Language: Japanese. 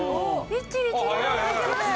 一気にきれいにむけました！